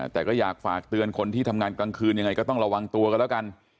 แต่ก็อยากฝากเตือนคนที่ทำงานกลางคืนยังไงก็ต้องระวังตัวกันแล้วกัน